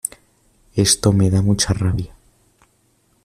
Esto me da mucha rabia.